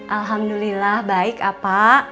alhamdulillah baik pak